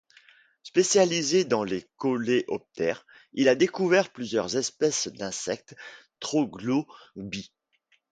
Spécialisé dans les Coléoptères, il a découvert plusieurs espèces d'insectes troglobies.